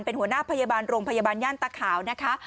เป็นหัวหน้าพยาบาลโรงพยาบาลย่านตาขาวนะคะ